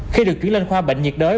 khi được chuyển lên khoa bệnh nhiệt đới